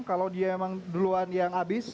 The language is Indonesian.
kalau dia memang duluan yang habis